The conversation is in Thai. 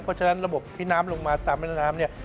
เพราะฉะนั้นระบบที่น้ำลงมาตามแม่น้ำเนี่ย